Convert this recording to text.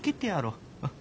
うん。